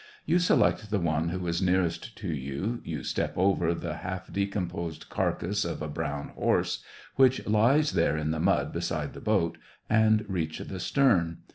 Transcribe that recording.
You select the one who is nearest to you, you step over the half decomposed carcass of a brown horse, which lies there in the mud beside the boat, and reach the stern.